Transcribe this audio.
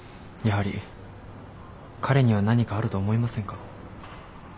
やはり彼には何かあると思いませんか？